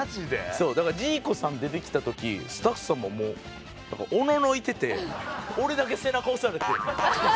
そうだからジーコさん出てきた時スタッフさんももうおののいてて俺だけ背中押されて。